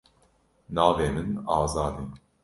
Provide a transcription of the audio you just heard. Navê min Azad e.